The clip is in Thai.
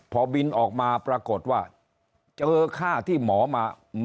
พอบินออกมาปรากฏว่าเจอค่าที่หมอมา